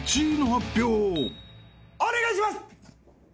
お願いします！